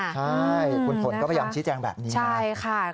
ใช่คุณฝนก็พยายามชี้แจงแบบนี้นะ